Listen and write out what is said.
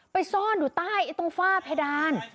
ซ่อนอยู่ใต้ตรงฝ้าเพดาน